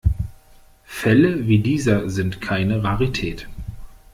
Fälle wie dieser sind keine Rarität.